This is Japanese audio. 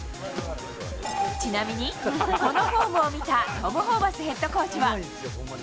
ちなみに、このフォームを見たトム・ホーバスヘッドコーチは。